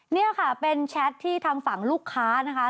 นี่ค่ะเป็นแชทที่ทางฝั่งลูกค้านะคะ